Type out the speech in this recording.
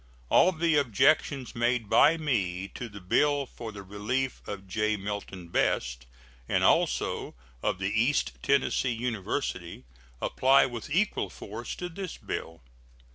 All the objections made by me to the bill for the relief of J. Milton Best, and also of the East Tennessee University, apply with equal force to this bill.